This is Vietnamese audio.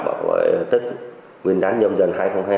bảo vệ tất nguyên đán nhâm dần